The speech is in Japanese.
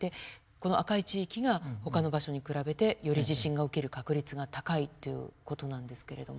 この赤い地域がほかの場所に比べてより地震が起きる確率が高いという事なんですけれども。